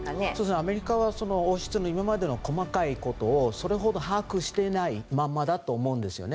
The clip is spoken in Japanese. アメリカは王室のこれまでの細かいことをそれほど把握していないままだと思うんですよね。